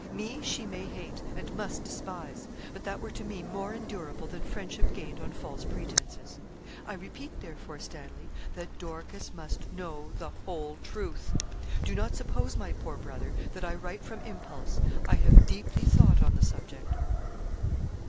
Me she may hate, and must despise; but that were to me more endurable than friendship gained on false pretences. I repeat, therefore, Stanley, that Dorcas must know the whole truth. Do not suppose, my poor brother, that I write from impulse I have deeply thought on the subject.'